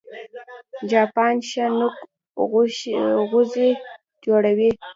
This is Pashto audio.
چاپان ښه نوک غوڅي جوړوي